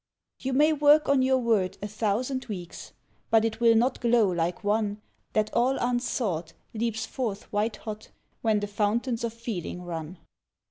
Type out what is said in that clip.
You may work on your word a thousand weeks, But it will not glow like one That all unsought, leaps forth white hot, When the fountains of feeling run.